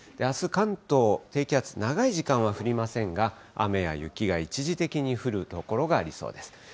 あす関東、低気圧、長い時間は降りませんが、雨や雪が一時的に降る所がありそうです。